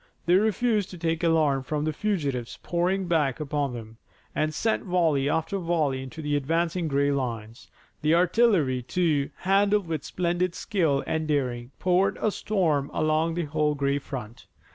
They refused to take alarm from the fugitives pouring back upon them, and sent volley after volley into the advancing gray lines. The artillery, too, handled with splendid skill and daring, poured a storm along the whole gray front.